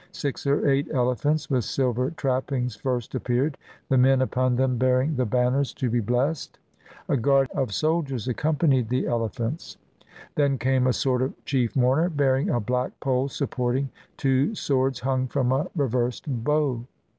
Six or eight elephants with silver trappings first appeared, the men upon them bearing the banners to 205 INDIA be blessed. A guard of soldiers accompanied the ele phants. Then came a sort of chief mourner, bearing a black pole supporting two swords hung from a reversed bow.